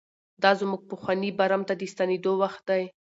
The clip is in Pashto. دا زموږ پخواني برم ته د ستنېدو وخت دی.